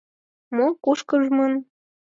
Мо кушкыжмын?